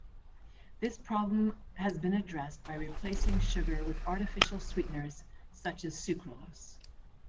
This problem has been addressed by replacing sugar with artificial sweeteners such as sucralose.